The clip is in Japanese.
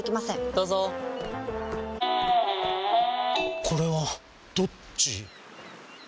どうぞこれはどっち？